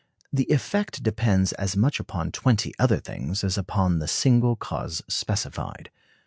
The effect depends as much upon twenty other things as upon the single cause specified.